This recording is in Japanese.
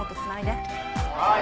はい。